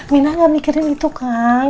minah gak mikirin itu kang